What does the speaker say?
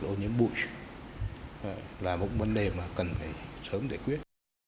là ô nhiễm bụi là một vấn đề mà cần sớm giải quyết